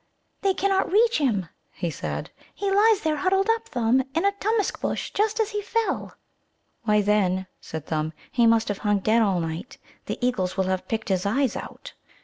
"They cannot reach him," he said. "He lies there huddled up, Thumb, in a Tummusc bush, just as he fell." "Why, then," said Thumb, "he must have hung dead all night. The eagles will have picked his eyes out."